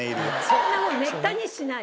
そんなもんめったにしない。